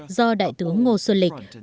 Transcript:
do đại tướng ngô xuân lịch